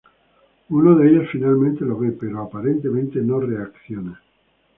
Uno de ellos finalmente lo ve pero aparentemente no reacciona.